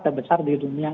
terbesar di dunia